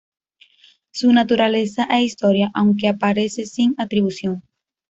Su Naturaleza e Historia", aunque aparece sin atribución.